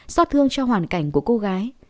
xót thương cho hoàn cảnh của cô gái